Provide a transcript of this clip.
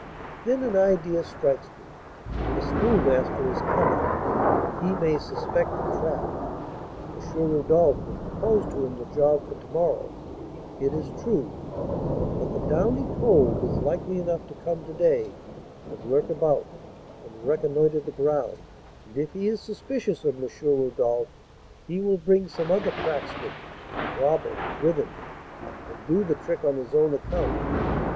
Then an idea strikes me: the Schoolmaster is cunning, he may suspect a trap. M. Rodolph will propose to him the job for to morrow, it is true, but the 'downy cove' is likely enough to come to day and lurk about, and reconnoitre the ground, and if he is suspicious of M. Rodolph he will bring some other 'cracksman' (robber) with him, and do the trick on his own account.